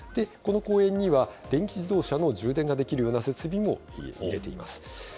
この公園には、電気自動車の充電ができるような設備も入れています。